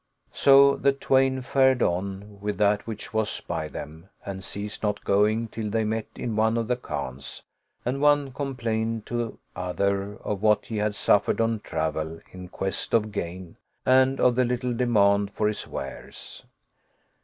So the twain fared on with that which was by them and ceased not going till they met in one of the khans, and one complained to other of what he had suffered i8o The Duel of the Two Sharpers on travel in quest of gain and of the little demand for his wares.